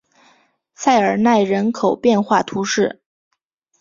塞尔奈人口变化图示